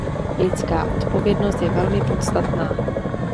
Lidská odpovědnost je velmi podstatná.